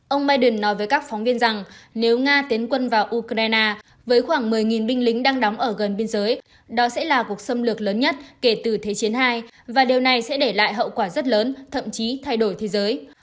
ông biden nói với các phóng viên rằng nếu nga tiến quân vào ukraine với khoảng một mươi binh lính đang đóng ở gần biên giới đó sẽ là cuộc xâm lược lớn nhất kể từ thế chiến hai và điều này sẽ để lại hậu quả rất lớn thậm chí thay đổi thế giới